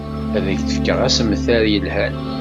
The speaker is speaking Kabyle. Ad ak-d-fkeɣ assemter yelhan.